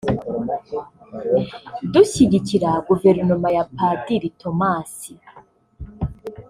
Dushyigikira Guverinoma ya Padiri Thomas